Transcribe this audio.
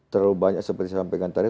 terlalu banyak seperti sampaikan tadi